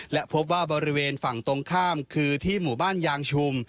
และพบว่าบริเวณฝั่งตรงข้ามคือที่หมู่บ้านยางชุม